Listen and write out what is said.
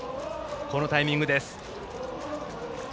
このタイミングです。